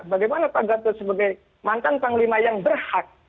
bagaimana pak gatot sebagai mantan panglima yang berhak